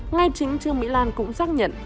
ngay chính trương mỹ lan cũng xác nhận